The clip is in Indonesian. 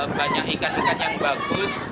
banyak ikan ikan yang bagus